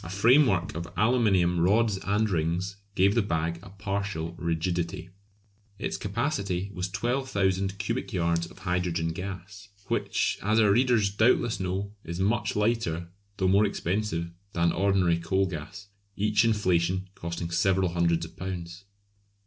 A framework of aluminium rods and rings gave the bag a partial rigidity. Its capacity was 12,000 cubic yards of hydrogen gas, which, as our readers doubtless know, is much lighter though more expensive than ordinary coal gas; each inflation costing several hundreds of pounds.